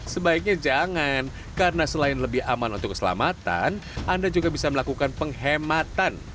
sebaiknya jangan karena selain lebih aman untuk keselamatan anda juga bisa melakukan penghematan